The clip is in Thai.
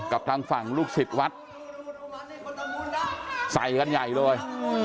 กับทางฝั่งลูกศิษย์วัดใส่กันใหญ่เลย